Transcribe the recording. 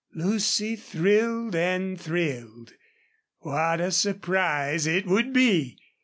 Lucy thrilled and thrilled. What a surprise it would be!